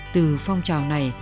từ phong trào này